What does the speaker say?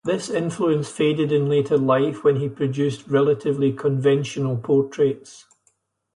This influence faded in later life, when he produced relatively conventional portraits.